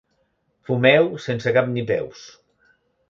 Fumeu sense cap ni peus.